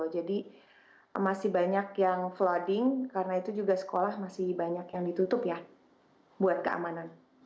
jadi masih banyak yang flooding karena itu juga sekolah masih banyak yang ditutup ya buat keamanan